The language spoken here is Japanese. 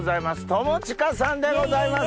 友近さんでございます。